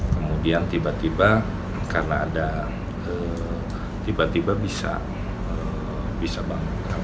kemudian tiba tiba karena ada tiba tiba bisa bangun